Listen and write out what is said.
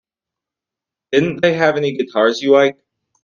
Didn't they have any guitars you liked?